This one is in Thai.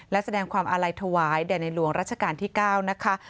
และแสดงความอาลัยถวายแด่ในหลวงรัชกาลที่๙นะคะ